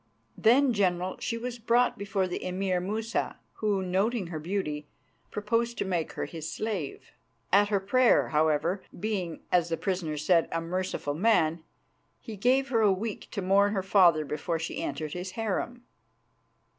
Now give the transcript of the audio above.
"Then, General, she was brought before the Emir Musa, who, noting her beauty, proposed to make her his slave. At her prayer, however, being, as the prisoner said, a merciful man, he gave her a week to mourn her father before she entered his harem.